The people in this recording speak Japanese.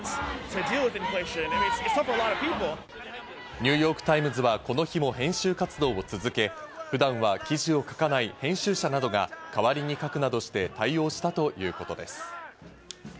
ニューヨーク・タイムズは、この日も編集活動を続け、普段は記事を書かない編集者などが代わりに書くなどして対応したということです。